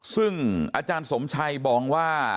ซึ่งอาจารย์สมชัยมองว่า